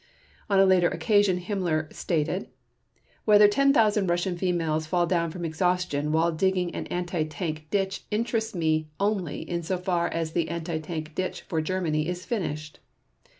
On a later occasion Himmler stated: "Whether ten thousand Russian females fall down from exhaustion while digging an anti tank ditch interests me only insofar as the anti tank ditch for Germany is finished